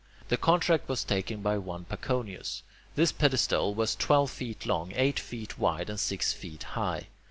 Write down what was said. The contract was taken by one Paconius. This pedestal was twelve feet long, eight feet wide, and six feet high.